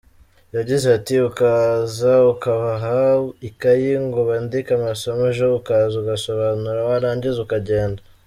Yagize ati “Ukaza ukabaha ikayi ngo bandike amasomo, ejo ukaza ugasobanura warangiza ukagenda.